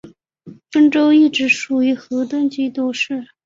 汾州一直属于河东节度使。